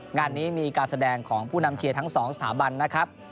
งานนี้มีการแสดงของผู้นำเชียร์ทั้ง๒สถาบันนะครับ